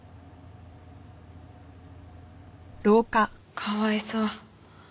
かわいそう。